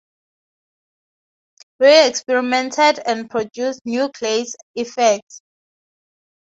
Rie experimented and produced new glaze effects.